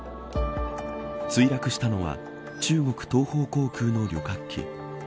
墜落したのは中国東方航空の旅客機。